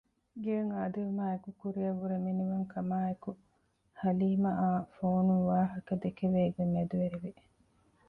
ގެއަށް އާދެވުމާއެކު ކުރިއަށް ވުރެ މިނިވަން ކަމާއެކު ހަލީމައާ ފޯނުން ވާހަކަ ދެކެވޭ ގޮތް މެދުވެރިވި